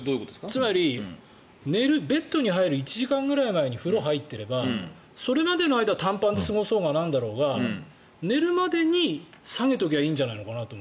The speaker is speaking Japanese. つまりベッドに入る１時間くらい前に風呂に入っていればそれまでの間短パンで過ごそうがなんだろうが寝るまでに下げとけばいいんじゃないかと。